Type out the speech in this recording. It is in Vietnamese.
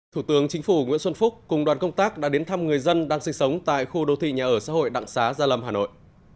thủ tướng chính phủ nguyễn xuân phúc cùng đoàn công tác đã đến thăm người dân đang sinh sống tại khu đô thị nhà ở xã hội đặng xá gia lâm hà nội